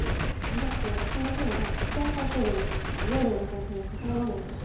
だってその方がスポンサー企業にとって有利な情報に偏らないでしょ。